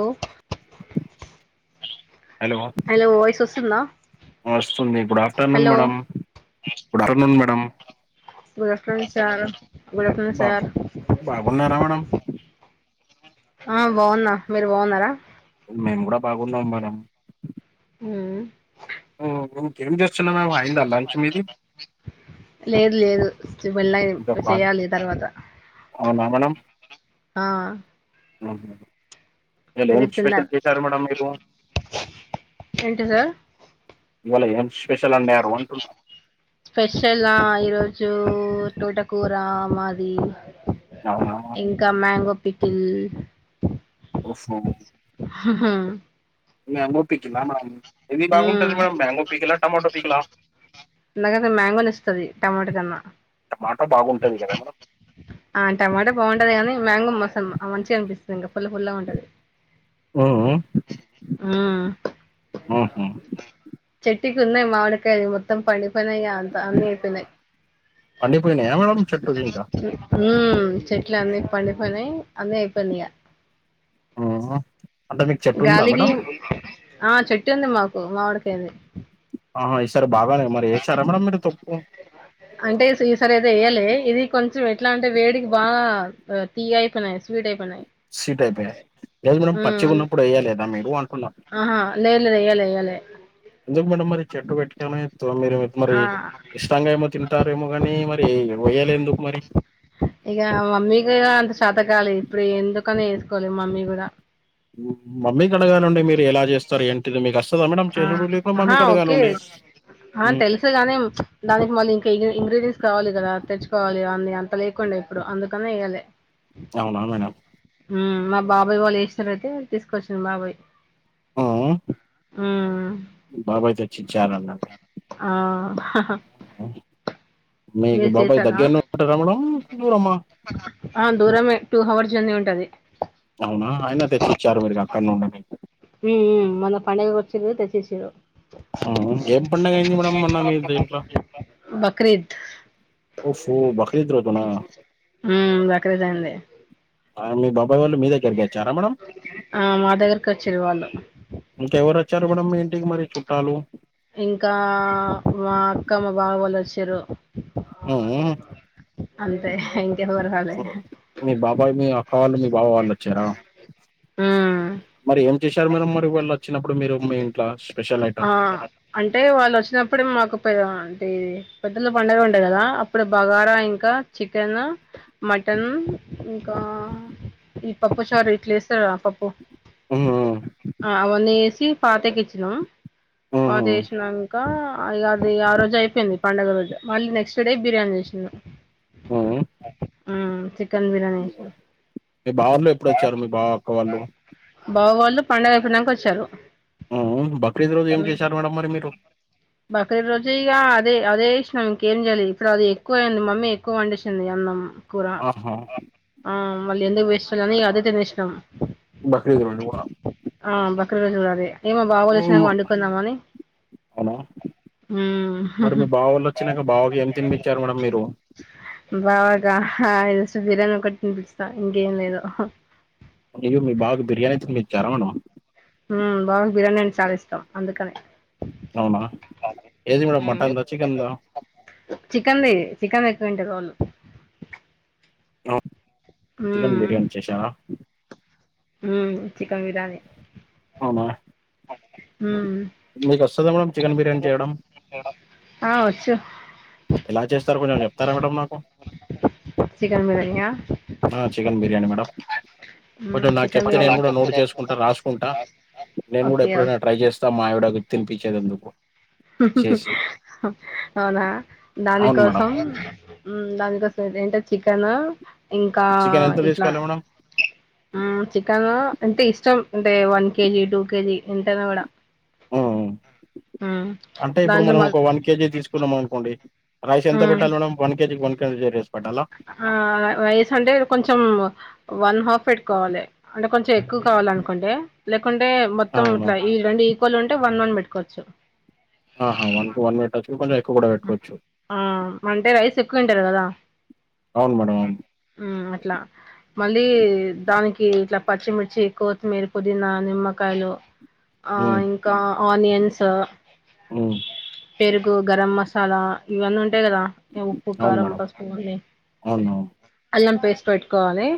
ఒ hello hello voice ఒస్సుందా వస్తుంది good afternoon madam good afternoon madam good afternoon sir good afternoon బాగు sir బాగున్నారా మేడం ఆ బాగున్న మీరు బాగున్నరా మేమ్ గూడ బాగున్నాం మేడం ఊఉ ఊ ఇంకేం చేస్తున్నా [unintelligible] అయిందా లంచ్ మీది లేదు లేదు ఇంకా [unintelligible] కాల్ చెయ్యాలి తర్వాత అవునా మేడం ఆ ఉ మీరు ఏం స్పెషల్ చేశారు మేడం మీకు ఏంటి సార్ ఇవాళ ఏం స్పెషల్ అండారు అంటున్న స్పెషలా ఈరోజూ టోటకూరా మాది అవునా ఇంక మ్యాంగో పికిల్ ఒఫ్ఫో హుహూ మ్యాంగో పికిలా మ్యాడం ఏది మ్మ్ బాగుంటది మేడమ్ మ్యాంగో పికిలా టమాటో పికిలా నాగసల్ మ్యాంగో నిచ్చుతది టమాట కన్నా మాట బాగుంటది గదా మేడం ఆ టమాట బాగుంటది గానీ మ్యాంగో మసం అ మంచిగ అనిపిస్తది ఇంక పుల్ల పుల్ల పుల్లగుంటది ఊఉ మ్మ్ ఊహు చెట్టుకి ఉన్నయ్ మామిడికాయ అది మొత్తం పండిపోనియిగా దాన్ని ఇపనై పండిపోయినాయా మేడం చెట్టుకి ఇంకా ఊమ్ చెట్లన్ని పండిపనీ అందె అయిపోయింది ఇగ ఊ హు అంటే మీకు చెట్టు ఉందా గాలికి మేడం ఆ చెట్టు ఉంది మాకు మావిడికైది ఆ ఈసారి బాగానే మరి ఏసారా మేడమ్ మీరు తొక్కు అ అంటే సీ సారి అయితే ఏయలే ఇది కొంచెం ఎట్లా అంటే, వేడికి బాగా తీయ్గ అయిపోనాయ్ స్వీట్ అయిపోనాయ్. సీట్ అయిపోయాయి లేదు మేడం ఊమ్ పచ్చిగా అన్ ఉన్నప్పుడు వేయలేదా మీరు అంటున్నా అహా లేద్ లే ఏయలే ఎయలే ఎందుకు మేడం మరి చెట్టు వెట్టినమే తో మీరు మరి ఆ ఇష్టంగా ఏమో తింటారేమో గానీ మరి ఎయవొ వెయ్యలే ఎందుకు మరి ఇగ మమ్మీకి అంత చాతకాలె ఇప్పుడు ఎందుకని ఏసుకోలె మమ్మీ గూడా మమ్మీ కడగానుండి మీరు ఎలా చేస్తారు ఏంటిది మీకు అస్ ఆ అహా ఓకే ఆ ఉమ్, తెలుసుగానీ దానికి మళ్ళీ ఇంక ఇగి ఇంగ్ర్రిడియయంట్స్ కావాలి కదా తెచ్చు కోవాలి అన్ని అంత లేకుండే ఇప్పుడు అందుకనే ఎయ్యలే అవునా మేడం ఊ మా బాబాయ్ వాళ్ళు ఏసినరైతే తీసుకొచ్చిన్ బాబయ్ ఊఉ బాబాయ్ తెచ్చిచారంటాంది ఆ ఊహు మీకు మీరు బాబాయ్ చేసారా దగ్గర్నే ఉంటడా మేడం దూరమా గన్నే ఉంటది అవునా ఆయినా తెచ్చిచ్చారు మీరు ఇగ అక్కడ్నే ఉండండి ఊ మొన్న పండగ కొచ్చిర్రు తెచ్చిచ్చిరు ఊహుమ్ ఏం పండగ అయింది మేడం మొన్న మీ దీంట్లో బక్రీద్ ఓఫో బక్రీద్ రోజునా మ్ బక్రీద్ దం ఆ మీ బబ్బాయి వాళ్ళు మీ దగ్గరికి వచ్చారా మేడం ఆ, మా దగ్గరకి వచ్చారు వాళ్ళు ఇంకేవరోచ్చారు మేడం ఇంటికి మరి చుట్టాలు ఇంకా మా అక్క మా బావ వాళ్ళోచ్చిరు మ్ అంతే ఇంకెవ్వరు రాలే మ్ మీ బాబాయ్ మీ అక్క వాళ్ళు మీ బావ వాళ్ళు వచ్చారా ఉమ్ మరి ఏం చేశారు మరి వళ్ళు వచ్చినప్పుడు మీరు మీ ఇంట్లో స్పెషల్ ఆ ఐటమ్ అంటే వాళ్ళు వచ్చినప్పుడే మాకు పె అంటే పెద్దల పండగ ఉంటాయి కదా అప్పుడు బగారా ఇంకా చికెన్ మటన్ ఇంకా ఈ పప్పు చారు ఇట్లా వేస్తారా పప్పు ఆ అవన్నీ ఎసి పాతకిచ్ న పాతేసినం ఇగ అది ఆ రోజు అయిపోయింది పండుగ రోజు మళ్ళీ నెక్స్ట్ డే బిర్యానీ చేసి న హుమ్ మ్ చి మీ బావొళ్ళు ఎప్పుడొచ్చారు మీ బావ అక్క వాళ్ళు బావ వాళ్ళు పండుగైపోయినాకోచ్చారు హ్మ్. బక్రీద్ రోజు ఏం మ్ చేశారు మేడం మరి మీరు బక్రీద్ రోజు ఇగా అదే అదే ఎస్ నం ఇంకేం చేయాలే ఇప్పుడు అది ఎక్కువ అయింది మమ్మీ ఎక్కువ వండేసింది అన్నం కూర ఆహా ఆ మళ్ళీ ఎందుకు చేయలని అదే తినేసినాం బక్రీద్ రోజు కూడ ద్ రోజు కూడ అదే ఇగ మ బావ వాళ్ళు వచ్చినంక వండుకుందామని అవునా మరి ఉమ్ మీ బావ వాళ్ళు వచ్చినాక బావకి ఏమి తినిపించారు మేడం మీరు బావక జస్ట్ బీర్యని ఒకటి తినిపిచ్చిన ఇంకేం లేదు అయ్యో మీ బావకి బిర్యానీ తినిపించారా మేడం మ్ బావక్ బిర్యానీ అంటే చాలా ఇష్టం అందుకనే అవునా ఏది మేడం మ్ మటన్ దా చికెన్ దా చికన్ది చికెన్ ఎక్కువ తింటారు వాళ్ళు అవ్ చికెన్ బిర్యానీ చేసార మ్ చికెన్ బిర్యానీ అవునా మ్ మీకు వస్తుదా మేడం చికెన్ బిర్యానీ చేయడం ఆ వచ్చు ఎలా చేస్తారు కొంచెం చెప్తారా మేడమ్ మాకు చికెన్ బిర్యానీయా ఆ చికెన్ బిర్యానీి మేడం హ్మ్ కొంచెం నాకు చికెన్ చెప్తే నేను బిర్యానీ కూడా నోటు చేసుకుంటా రాసుకుంటా నేను కూడా ఓకే ఎప్పుడైనా ట్రై చేస్తా మా ఆవిడకు తినిపించేదందుకు అవునా దాని అవును మేడం కోసం దానికోసం ఇదేంటో చికెను ఇంకా చికెన్ ఎంత ఇట్లా తీసుకోవాలి మేడం మ్ చికెన్ అంటే ఇష్టం అంటే వన్ కేజీ టూ కేజీ ఎంతైనా కూడా హ్మ్. హ్మ్. మ్ అంటే ఇప్పుడు మనం ఒక వన్ కేజీ తీసుకున్నాం అనుకోడి రైస్ ఎంత హ్మ్ పెట్టాలి మేడం వన్ కేజీకి వన్ కేజీేా ఆ రైసంటే కొంచెం వన్ హాఫ్ పెట్టుకోవాలె అంటే కొంచెం ఎక్కువ కావాలనుకుంటే లేక్ కుంటే మొత్తం ఇట్లా ఈ రెండు ఈక్వల్ ఉంటే వన్ వన్ పెట్టుకోవచ్చు ఆహ వన్ కు వన్ పెట్ ఆ అంటే రైస్ ఎక్కువ తింటారు కదా అవును మేడం అవును మ్ అట్లా మళ్ళీ దానికి ఇట్లా పచ్చిమిర్చి కొత్తిమీర పుదీనా నిమ్మకాయలు ఆ ఇంకా ఆనియన్స్ స్స్ మ్మ్ పెరుగు గరం మసాలా ఇవన్నీ ఉంటయ్ కదా ఉప్పు, అవును కారం, మేడం పసుపు, అవును అల్లం పేస్ట్ పెట్టుకోవాలి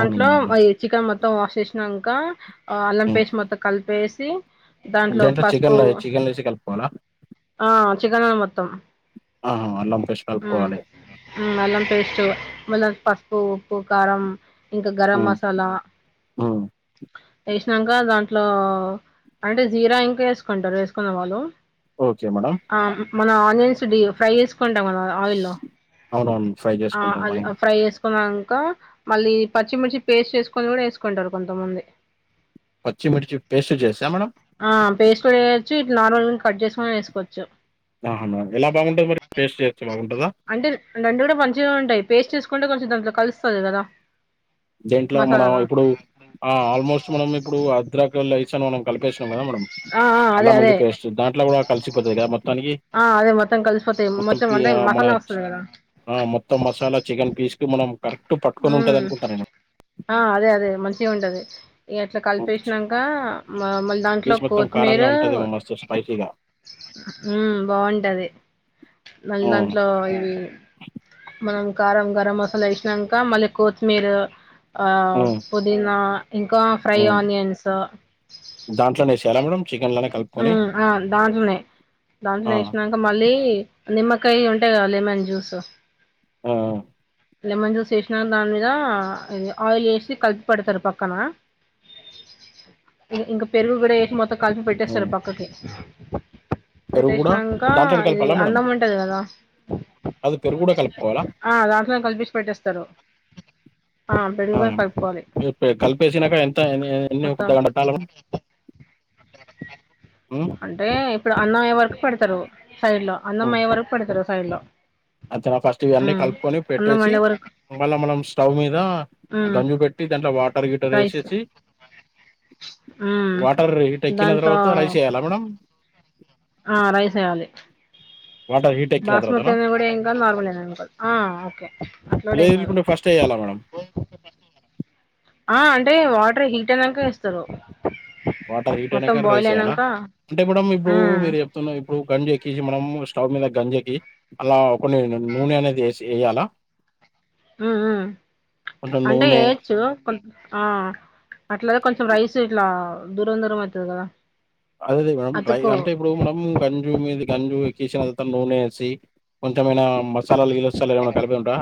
అవును మేడం చికెన్ మొత్తం వాష్ చేసినంకా అల్లం పేస్ట్ మొత్తం కలిపేసి సి చికెన్ లో వేసి కలుపుకోవాలా ఆ చికెన్ లనే మొత్తం ఆ అల్లం పేస్ట్ హ్మ్. కలుపుకోవాలి అల్లం పేస్ట్ మళ్ల పసుపు, ఉప్పు, కారం ఇంకా గరం హ్మ్. మసాలా హ్మ్. వేసినంకా దాంట్లో అంటే జీరా ఇంకా వేసుకుంటారు వేసుకునే వాళ్ళు ఓకే మేడం. ఆ మన ఆనియన్స్ డీప్ ఫ్రై చేసి అ అవునవును. ఫ్రై చేసుకుంటాం ఆయిల్. ఫ్రై ని వేసుకోవాలి మళ్ళీ పచ్చిమిర్చి పేస్ట్ చేేసుకొని కూడా వేసుకుంటారు కొంతమంది పచ్చిమిర్చి పేస్ట్ చేసా మేడం ఆ పేస్ట్ కూడా వేయొచ్చు ఇట్లా నార్మల్ కట్ చేసుకని వేసుకోవచ్చు ఆహఎలా బాగుంటది మరి పేస్ట్ చేస్తే బాగుంటదా అంటే రెండు కూడా మంచిగానే ఉంటాయి పేస్ట్ చేసుకుంటే కొంచెం దాంట్లో కలుస్తుంది కదా దేంట్లో మనం మసాలాలో ఇప్పుడు ఆ ఆల్మోస్ట్ మనం ఇప్పుడు అన్నిరకాలు మనం కలిపేసాము కదా మేడం ఆ ఆ అదే అల్లం వెల్లుల్లి అదే పేస్ట్ దాంట్లో కూడా కలిసిపోతుంది కదా మొత్తానికి ఆ అదే మొత్తం కలిసిపోతాయి మొత్తం పి అంటే ఆహ్, మన మసాలా చ్ వస్తది కదా ఆ మొత్తం మసాలా చికెన్ పీస్ కి కరెక్ట్ పట్టుకొని ఉంటది ఉమ్ అనుకుంటనా నేను ఆ అదే అదే మంచిగా ఉంటది అట్లా ఓకే. కలిపేసినంకా మ్మ్ దాంట్లో పీస్ మొత్తం కారంగా కొత్తిమీరు ఉంటదేమో మస్తు స్పైసీ‌గా. బాగుంటది మళ్ళి హ్మ్. దాంట్లో ఇవి మనం కారం గరం మసాలా వేసినాక మళ్ళీ కొత్తిమిరా హ్మ్. పుదీనా ఇంక ఫ్రై ఆనియన్స్ అట్లనే వేసేయ్యాలా చికెన్ లో ఆ ఆ దాంట్నే దాంట్నే ఆ! వేసినంక మళ్ళీ నిమ్మ కాయ ఉంటది కదా లెమన్ జ్యూస్ ఆ లెమన్ జూస్ వేసి దాని మీద ఆయిల్ వేసి కలిపి పెడతారు పక్కన ఇంకా పెరుగు కూడా ఏసి మొత్తం కలిపి ఆ! పెట్టేస్తారు పక్కకి పెరుగు గూడా పెటేసినాక దాంట్లోనే ఇది కలపాలా మేడం? అన్నం ఉంటది కదా అది పెరుగు గూడా కలుపుకోవాలా? ఆ దాట్లోనే కలిపేసి పెడుతరు కలిపేసినంకా ఎంత ఎన్ని గంటలు మొత్తం పక్కన పెట్టాలి అంటే ఇప్పుడు అన్నం అయ్యే వరకు పెడుతరు సైడ్ లో అన్నం అయ్యే వరకు పెడుతారు సైడ్ లో అచ్చ ఫస్ట్ ఇవన్నీ ఉమ్ కలుపుకొని అన్నం పెట్టేసి వండే వరకు మళ్ళ మనం స్టవ్ మీద ఉమ్ గంజు పెట్టి దాంట్లో వాటర్ రైస్ వేసేసి ఉమ్ వాటర్ హీట్ ఎక్కిన దాంట్లో తర్వాత రైస్ ఏయాలా మేడం ఆ రైస్ వేయాలి వాటర్ హీట్ ఎక్కిన బాస్మతి తర్వాతనా? అయిన కూడా ఏం కాదు నార్మల్ అయిన ఏం కాదు ఆ ఓకే అట్ల కూడా ఏం కాదు లేకుంటే ఫస్ట్ ఎయాలా మేడం? ఆ అంటే వాటర్ హీట్ అయినాక వేస్తారు వాటర్ హీట్ మొత్తం అయినాక బాయిల్ ర్రైస్ వేయ్యాలా అయినాక అంటే మడ ఇప్పుడు ఉమ్ మీరు చెప్తున్నా ఇప్పుడు గంజుకి మనం స్టవ్ మీద గంజు కి అలా కొంచెం నూనె అనేది వేయ్యాల మ్మ్ అంటే నూనె ఏయొచ్చు కొంచెం ఆ అట్లా కొంచెం రైస్ ఇట్లా దూరం దూరం అవుతుంది కదా అదే అదే మేడం డ్రై అతుకు అంటే ఇప్పుడు మనం గంజు మీది గంజు ఎక్కేసిన నూనే వేసి కొంచమై నా మసాలాలు ఏమైనా కలిపేది ఉంటాదా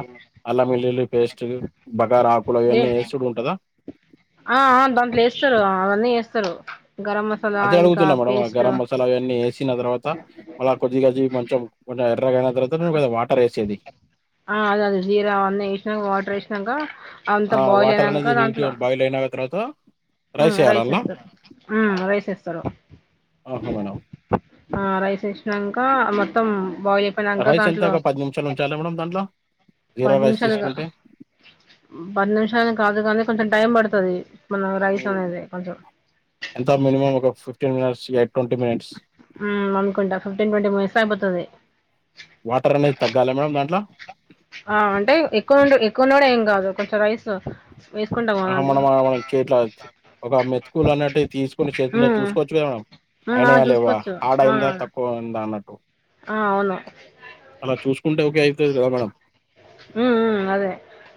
అల్లంవెల్లుల్లి పేస్ట్ బ ఆ ఆ దాంట్ల వేస్తరు అవన్నీ వేస్తరు అదే అడుగుతున్నా మేడమ్ ఆ గరం మసాలా అవన్నీ ఏసీ వేసిన తర్వాత మళ్ళ కొద్ది కొద్దిగా కొంచెం కొంచం ఎర్రగయిన తర్వాత కొంచం వాటర్ వేసేది ఆ అదే అదే జీరా అవన్నీ వేసినంక వాటర్ వేసినంక అంత ఆ! బాయిల్ వాటర్ అనేది అయినంక హీట్ దాంట్లో బాయిల్ అయిన తర్వాత ఏయాలా రైస్ అల్ల? ఏస్తరు రైస్ ఏస్తరు ఆహా! మేడం. ఆ రైస్ వేసినంక మొత్తం బాయిల్ అయిపోయినంక రైస్ ఎంత దాంట్లో ఒక నిమిషాలు ఉంచాలా మేడం దాంట్లో? జీరా పది రైస్ నిమిషాలు తీసుకుంటే? పది నిమిషాలకి కాదు కానీ కొంచెం టైం పడుతుది ఎంత మినిమం ఒక ఫిఫ్టీన్ మినిట్స్ మినిట్స్ అనుకుంటా ఫిఫ్టీన్ ట్వంటీ మినిట్స్ లో అయిపోతది వాటర్ అనేది తగ్గాలా మేడం దాంట్ల ఆ అంటే ఎక్కువ ఎక్కువ ఉన్నా కూడా ఏం కాదు కొంచెం రైస్ వేసుకుంటాం కదా ఆహ దాంట్లో మనం మనం చేత్ల ఒక మెతుకులు అన్నట్టు తీసుకొని చేతుల్లో హ్మ్ చూసుకోవచ్చు కదా మేడమ్ హ్మ్ ఆ అయినయా లేవా చూసుకోవచ్చు ఆడ్ ఆ అయిందా తక్కువ ఉందా అన్నట్టు ఆ అవును అలా చూసుకుంటే ఓకే అయితది కదా మేడం హ్మ్ హ్మ్ అదే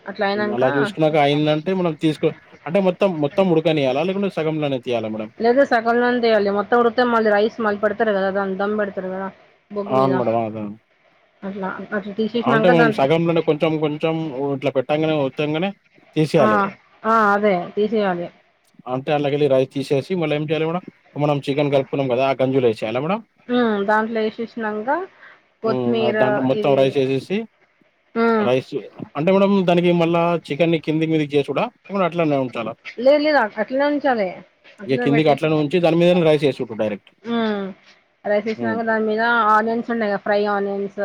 అట్లా అయినంక అలా చూసుకున్నాక అయిందని మనం తీసుకో అంటే మొత్తం మొత్తం ఉడుకనియ్యాల లేకుంటే సగంలో లేదు సకం లోనే తీయాలి మొత్తం ఉడికితే మళ్ళీ రైస్ మళ్లీ పెడతరు కదా దాని దమ్ పెడతరు కదా బొగ్గు మీద అవును మేడం అవును అట్లా అట్లా అంటే తీసేసినంక మేం దాంట్లో సగంలోనే కొంచెం కొంచెం ఇట్లా పెట్టాంగానే ఒత్తంగనే ఆ ఆ అదే తీసేయాలి అంటే అల్లకేలి రైస్ తీసేసి మళ్ళ ఏం చేయాలి మేడమ్ మనం చికెన్ కలుపుకున్నాం కదా ఆ గంజిల యేసే యాలా మేడం హ్మ్ దాంట్లో వేసేసినంక ఉమ్ కొత్తిమీర దాంట్ల మొత్తం ఇది రైస్ చేసేసి హ్మ్ రైస్ అంటే మేడమ్ దానికి మళ్ళా చికెన్ ని కింది మీదికి చేసుడా లేకుంటే అట్లనే ఉంచాలా లేదు లేదు అట్లనే ఉంచాలే ఇగ అట్లనే కిందికి పెట్టేసి ఉంచి దాని మీదనే రైస్ ఏసుడు డైరెక్ట్ ఉమ్ రైస్ హ్మ్ వేసినంక దాని మీద ఆనియన్స్ ఉంటయి కదా ఫ్రై ఆనియన్స్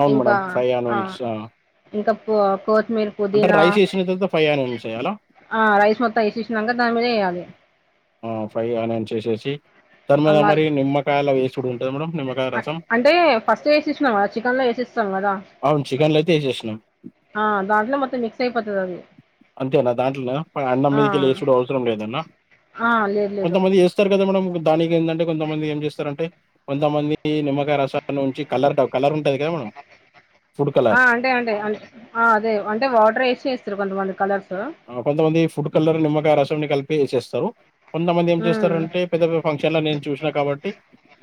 అవును ఇంకా మేడం ఫ్రై ఆ ఆనియన్స్ ఇంకా పో కోతిమీర్ అంటే పుదీనా రైస్ ఏసిన తర్వాత ఫ్రై ఆనియన్స్ ఏయాలా ఆ రైస్ మొత్తం ఏసేసినంక దానిమీద ఎయ్యాలి తర్వాత మరి నిమ్మకాయాలు అవి ఏసుడు ఉంటదా మేడమ్ నిమ్మ అంటే ఫస్ట్ వేసేసినం కదా చికెన్లో వేసేస్తాం కదా వేసేసినం ఆ దాంట్లో మొత్తం మిక్స్ అయిపోతది అది అంతేనా దాంట్లోనా మరి అన్నం ఆ మీదకెళ్ళే ఏసుడు అవసరం లేదనా ఆ లేదు లేదు కొంతమంది ఏస్తరు కదా మేడమ్ దానికి ఏందంటే కొంతమంది ఏం చేస్తరంటే కొంతమంది నిమ్మకాయ రసాలనుంచి కలర్ కలర్ ఉ ఆ అంటే అంటే అంటే ఆ అదే అంటే వాటర్ వేసి చేస్తరు కొంతమంది కలర్స్ ఆ కొంతమంది ఫుడ్ కలర్లో నిమ్మకాయ రసంని కలిపి వేసేస్తరు కొంతమంది ఏం మ్మ్ చేస్తరంటే పెద్ద పెద్ద ఫంక్షన్లో నేను చూసిన కాబట్టి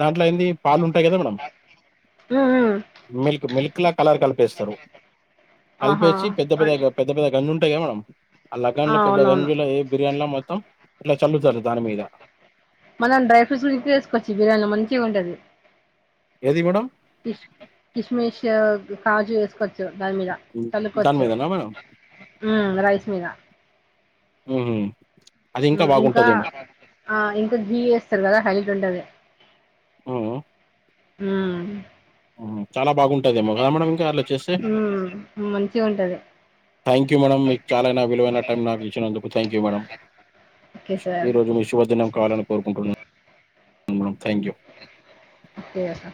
దాంట్లో ఏంది పాలు ఉం టది కదా మేడమ్ మ్మ్ మిల్క్ మిల్క్ కలర్ కలిపేస్తరు ఆహా కలిపేసి పెద్ద పెద్ద అన్ పెద్ద పెద్ద గన్ను ఉంటయి కదా మేడమ్ ఆ లగాన్ లో పెద్ద గంజులో ఏ బిర్యానీలో మొత్తం ఇట్ల చల్లుతరు మనం డ్రై ఫ్రూట్స్ ఈజీగ వేసుకోవచ్చు బిర్యానీలా మంచిగ ఉంటది ఏది మేడం కిష్ కిష్మిష్ కాజు వేసుక దాని మీద హ్మ్. దాని తనుకోచ్చు మీదనా మేడం? మ్ రైస్ మీద మ్మ్ మ్ ఇంకా ఆ ఇంకా గీ వేస్తారు కదా హెల్ట్ ఉంటది హ్మ్. మ్మ్ హ్మ్. చాలా బాగుంటాదేమో కద మేడం ఇంకా అలా చేస్తే మ్మ్ మంచిగా ఉంటది థ్యాంక్ యూ మేడం మీకు చాలన విలువైన టైం నాకు ఇచ్చినందుకు థ్యాంక్ యూ మేడం ఓకే ఈ సార్ రోజు మీ శుభదినం కావాలని కోరుకుంటున్నా మేడం థ్యాంక్ యూ. ఎ సా